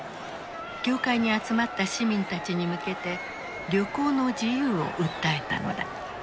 教会に集まった市民たちに向けて旅行の自由を訴えたのだ。